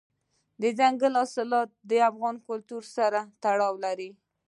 دځنګل حاصلات د افغان کلتور سره تړاو لري.